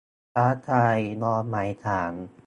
ท้าทายรอหมายศาล